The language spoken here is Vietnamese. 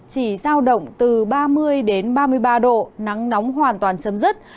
chỉ giao động từ ba mươi đến ba mươi ba độ nắng nóng hoàn toàn chấm dứt